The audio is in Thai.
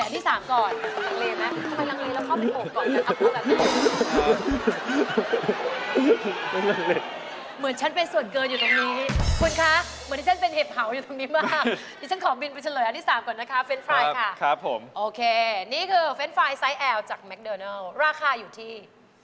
ที่คุณทานประจำเลยแน็กเก็ต๖ชิ้นจากแมคเดอร์เนิลราคาอยู่ที่